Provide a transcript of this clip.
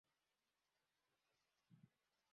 Toka hapa.